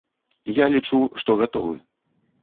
Я лічу, што гатовы.